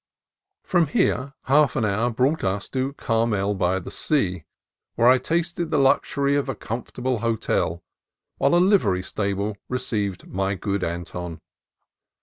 From here, half an hour brought us to Carmel by CARMEL BY THE SEA 217 the Sea, where I tasted the luxury of a comfortable hotel, while a livery stable received my good Anton.